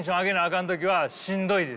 かん時はしんどいです。